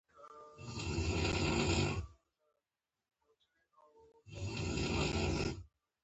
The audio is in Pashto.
د برټانوي هند او امیر شېر علي خان د حکومت ترمنځ بدبیني ایجاد کړي.